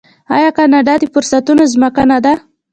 آیا کاناډا د فرصتونو ځمکه نه ده؟